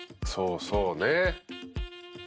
「そうそう。ねっ！」